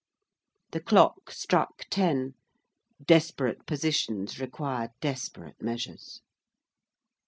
The clock struck ten. Desperate positions require desperate measures.